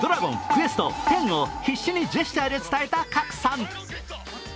「クエスト」「Ⅹ」を必死にジェスチャーで伝えた賀来さん。